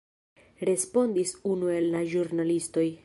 respondis unu el la ĵurnalistoj.